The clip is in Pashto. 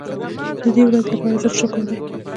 د دې ورځې لپاره زر شکر دی.